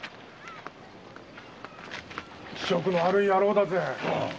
気色の悪い野郎だぜ。